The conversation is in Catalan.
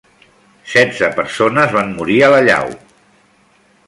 Setze persones van morir a l'allau.